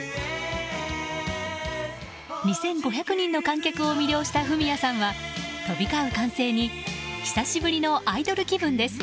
２５００人の観客を魅了したフミヤさんは、飛び交う歓声に久しぶりのアイドル気分です